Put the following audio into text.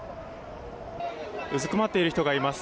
うずくまっている人がいます。